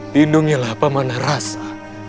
lindungilah pemanah rasa